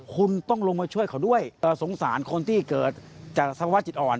คุณต้องลงมาช่วยเขาด้วยสงสารคนที่เกิดจากสภาวะจิตอ่อน